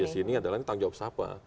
bpjs ini adalah tanggung jawab siapa